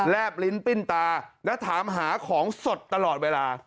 บลิ้นปิ้นตาและถามหาของสดตลอดเวลา